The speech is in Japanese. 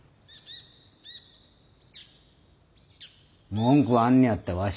文句あんねやったらわし